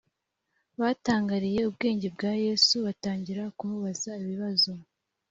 batangariye ubwenge bwa yesu batangira kumubaza ibibazo